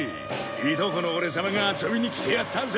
いとこのオレ様が遊びに来てやったぜ！